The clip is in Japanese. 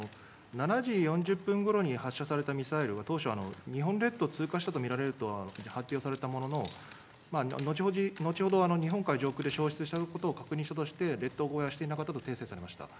７時４０分ごろに発射されたミサイルは、当初、日本列島を通過したと見られると発表されたものの、後ほど日本海上空で消失したことを確認したとして、列島越えはしていなかったと訂正されました。